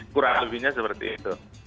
kurang lebihnya seperti itu